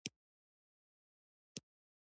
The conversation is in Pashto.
د کندهار په ژیړۍ کې د ګچ نښې شته.